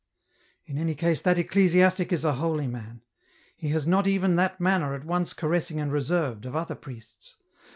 " In any case that ecclesiastic is a holy man ; he has not even that manner at once caressing and reserved of other priests.